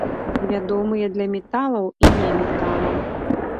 Вядомыя для металаў і неметалаў.